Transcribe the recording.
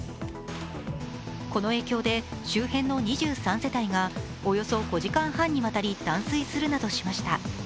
この影響で周辺の２３世帯がおよそ５時間半にわたり断水するなどしました。